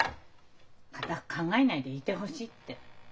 「堅く考えないでいてほしい」って。